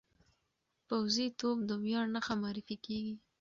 پوځي توب د ویاړ نښه معرفي کېږي.